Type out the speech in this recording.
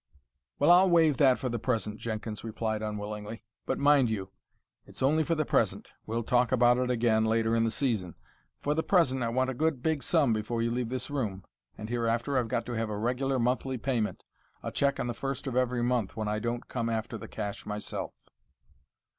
"Well, I'll waive that for the present," Jenkins replied unwillingly; "but, mind you, it's only for the present. We'll talk about it again, later in the season. For the present I want a good, big sum before you leave this room, and hereafter I've got to have a regular monthly payment, a check on the first of every month when I don't come after the cash myself."